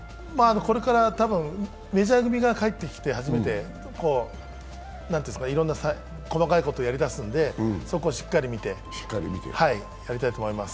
これから多分メジャー組が帰ってきて初めていろんな細かいことをやり出すんでそこをしっかり見てやりたいと思います。